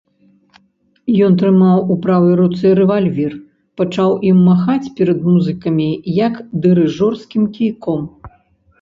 Ён трымаў у правай руцэ рэвальвер, пачаў ім махаць перад музыкамі, як дырыжорскім кійком.